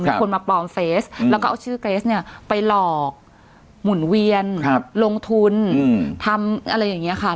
มีคนมาปลอมเฟสแล้วก็เอาชื่อเกรสเนี่ยไปหลอกหมุนเวียนลงทุนทำอะไรอย่างนี้ค่ะ